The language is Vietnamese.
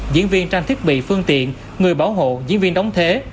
diễn viên trang thiết bị phương tiện người bảo hộ diễn viên đóng thế